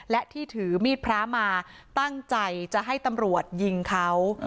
และที่ถือมีดพระมาตั้งใจจะให้ตำรวจยิงเขา